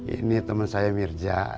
ini teman saya mirja